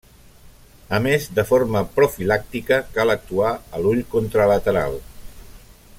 A més, de forma profilàctica, cal actuar a l'ull contralateral.